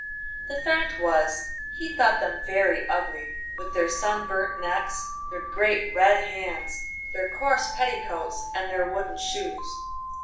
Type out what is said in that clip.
The fact was he thought them very ugly, with their sun burnt necks, their great red hands, their coarse petticoats and their wooden shoes.